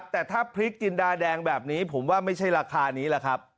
แต่ถ้าพริกจินดาแดงแบบนี้ผมว่าไม่ใช่ราคานี้แหละครับ